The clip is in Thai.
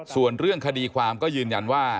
ส่วนเรื่องคดีความก็ยืนยันว่า